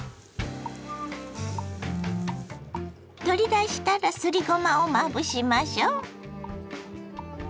取り出したらすりごまをまぶしましょ。